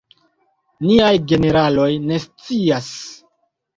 Niaj generaloj ne scias!